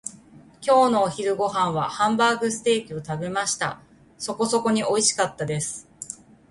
今日のお昼ご飯はハンバーグステーキを食べました。そこそこにおいしかったです。